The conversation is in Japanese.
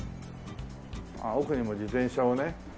奥にも自転車をね